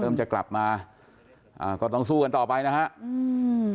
เริ่มจะกลับมาก็ต้องสู้กันต่อไปนะครับ